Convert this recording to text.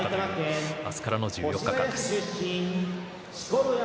明日からの１４日間です。